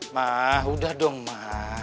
ma udah dong ma